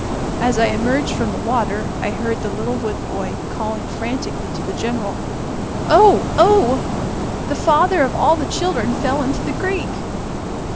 As I emerged from the water I heard the little Wood boy calling frantically to the General: "Oh! oh! The father of all the children fell into the creek!"